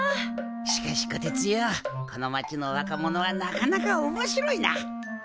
しかしこてつよこの町の若者はなかなかおもしろいな！